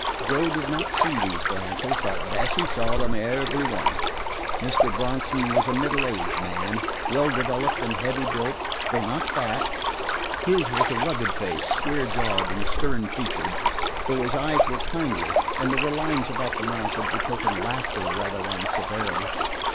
Joe did not see these glances, but Bessie saw them, every one. Mr. Bronson was a middle aged man, well developed and of heavy build, though not fat. His was a rugged face, square jawed and stern featured, though his eyes were kindly and there were lines about the mouth that betokened laughter rather than severity.